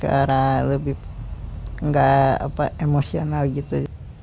lebih ke arah lebih gak apa emosional gitu